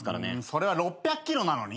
それは６００ｋｍなのに？